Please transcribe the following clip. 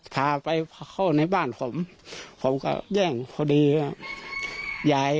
พาไปเข้าในบ้านผมผมก็แย่งพอดีว่ายาย